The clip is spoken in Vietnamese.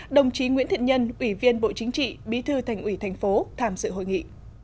đồng chí nguyễn thịnh nhân ủy viên bộ chính trị bí thư thành ủy tp hcm tham dự hội nghị